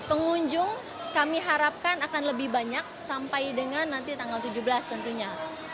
pengunjung kami harapkan akan lebih banyak sampai dengan nanti tanggal tujuh belas tentunya